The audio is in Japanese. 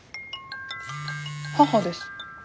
母です。